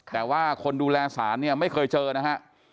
แต่ว่าคนดูแลสารเนี่ยไม่เคยเจอนะฮะ